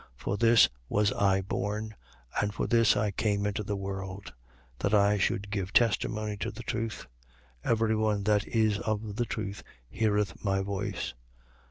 For this was I born, and for this came I into the world; that I should give testimony to the truth. Every one that is of the truth heareth my voice.